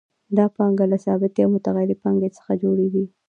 دا پانګه له ثابتې او متغیرې پانګې څخه جوړېږي